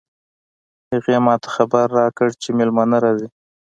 هغې ما ته خبر راکړ چې مېلمانه راځي